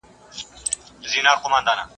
نه هغه غر، نه دامانه سته زه به چیري ځمه.